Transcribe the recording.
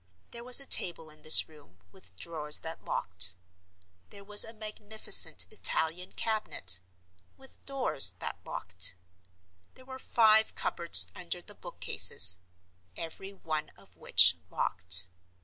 There was a table in this room, with drawers that locked; there was a magnificent Italian cabinet, with doors that locked; there were five cupboards under the book cases, every one of which locked.